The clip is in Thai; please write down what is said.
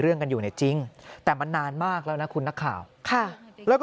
กันอยู่เนี่ยจริงแต่มันนานมากแล้วนะคุณนักข่าวค่ะแล้วก็